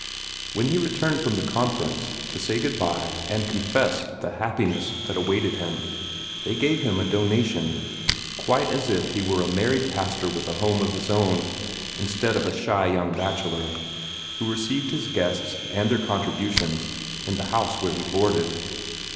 When he returned from the Conference, to say good bye and confess the happiness that awaited him, they gave him a "donation" quite as if he were a married pastor with a home of his own, instead of a shy young bachelor, who received his guests and their contributions in the house where he boarded.